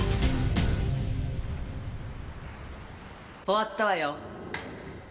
終わったわよ。